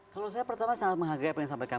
kalau saya pertama sangat menghargai pengisahkan